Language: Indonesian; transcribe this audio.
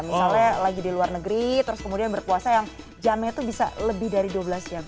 misalnya lagi di luar negeri terus kemudian berpuasa yang jamnya itu bisa lebih dari dua belas jam